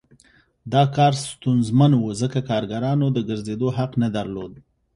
دا کار ستونزمن و ځکه کارګرانو د ګرځېدو حق نه درلود